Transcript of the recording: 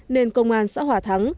nên công an xã hòa thắng